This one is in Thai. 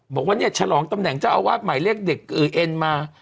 บอกว่าเนี่ยฉลองตำแหน่งเจ้าอาวาสหมายเรียกเด็กเอ็นมา